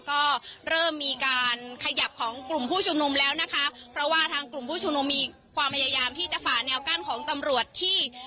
ก็เริ่มมีการขยับของกลุ่มผู้ชุมนุมแล้วนะคะเพราะว่าทางกลุ่มผู้ชุมนุมมีความพยายามที่จะฝ่าแนวกั้นของตำรวจที่